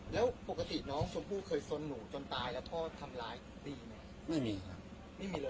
แล้วปกติน้องชมพู่เคยสนหนูจนตายแล้วพ่อทำร้ายดีไหม